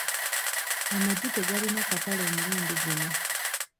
Amagi tegalina katale omulundi guno.